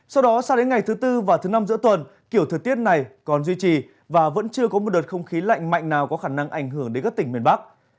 sau đó sang đến ngày thứ tư và thứ năm giữa tuần kiểu thời tiết này còn duy trì và vẫn chưa có một đợt không khí lạnh mạnh nào có khả năng ảnh hưởng đến các tỉnh miền bắc